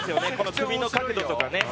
首の角度とか。